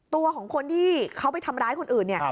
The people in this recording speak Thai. ตัวของคนที่เขาไปทำร้ายคนอื่นเนี่ย